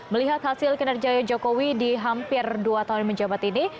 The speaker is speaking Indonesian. melihat hasil kinerja jokowi di hampir dua tahun menjabat ini